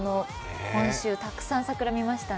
今週、たくさん桜を見ましたね。